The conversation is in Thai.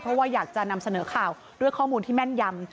เพราะว่าอยากจะนำเสนอข่าวด้วยข้อมูลที่แม่นยำ